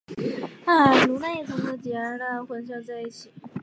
卢娜也常常和狄安娜或赫卡忒混淆在一起。